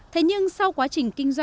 thế nhưng sau quá trình kinh doanh